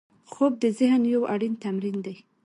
خوب د ذهن یو اړین تمرین دی